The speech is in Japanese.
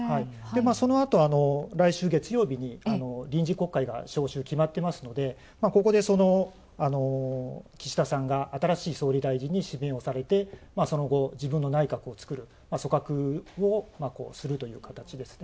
そのあと、来週月曜日に臨時国会が召集、決まってますのでここで、岸田さんが新しい総理大臣に指名をされてその後、自分の内閣を作る組閣をするという形ですね。